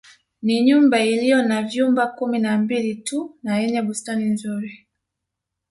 Ni nyumba iliyo na vyumba kumi na Mbili tu na yenye bustani nzuri